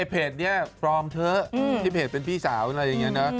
เพจนี้ปลอมเถอะที่เพจเป็นพี่สาวอะไรอย่างนี้นะ